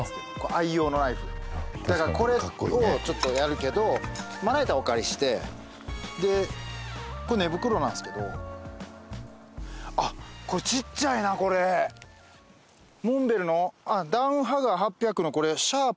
愛用のナイフだからこれをちょっとやるけどまな板お借りしてでこれ寝袋なんすけどあっこれちっちゃいなこれモンベルの？